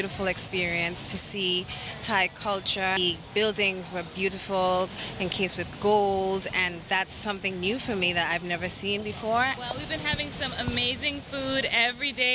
โอ้โหสเนียงของน้องนิ้งเนี่ยเป๊ะมากเลยค่ะ